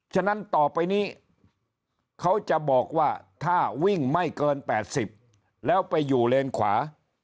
ฉะนั้นต่อไปนี้เขาจะบอกว่าถ้าวิ่งไม่เกิน๘๐แล้วไปอยู่เลนขวา